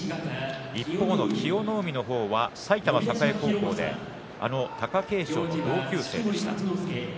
一方の清乃海の方は埼玉栄高校で貴景勝の同級生です。